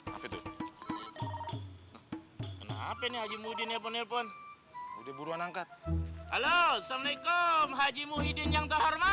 hape hape haji muhyiddin ya pon pon udah buruan angkat halo assalamualaikum haji muhyiddin yang